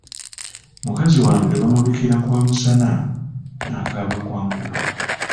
Mukazi wange bamubikira kwa musana n'akaaba kwa nkuba.